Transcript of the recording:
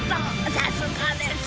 さすがです